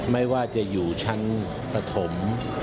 ไม่ว่าจะอยู่ชั้นประถม